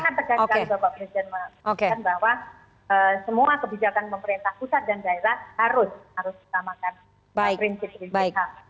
saya tegas sekali bapak presiden mengatakan bahwa semua kebijakan pemerintah pusat dan daerah harus utamakan prinsip prinsip ham